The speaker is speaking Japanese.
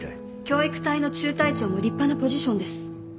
教育隊の中隊長も立派なポジションです。